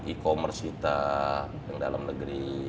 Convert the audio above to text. e commerce kita yang dalam negeri